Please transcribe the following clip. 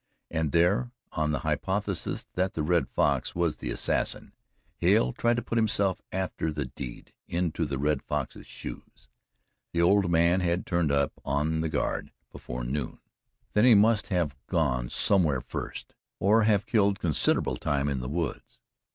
And there, on the hypothesis that the Red Fox was the assassin, Hale tried to put himself, after the deed, into the Red Fox's shoes. The old man had turned up on guard before noon then he must have gone somewhere first or have killed considerable time in the woods.